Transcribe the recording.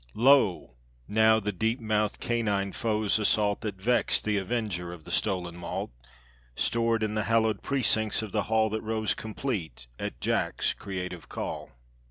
Lo! now the deep mouthed canine foe's assault, That vexed the avenger of the stolen malt; Stored in the hallowed precincts of the hallThat rose complete at Jack's creative call.